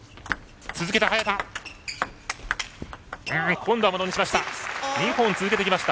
今度はものにしました。